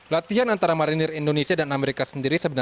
latihan antara marinir indonesia dan amerika sendiri